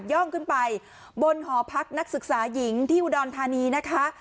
่องขึ้นไปบนหอพักนักศึกษาหญิงที่อุดรธานีนะคะ